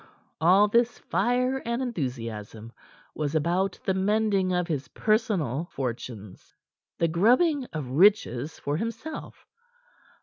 All this fire and enthusiasm was about the mending of his personal fortunes the grubbing of riches for himself.